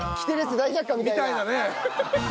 みたいなね。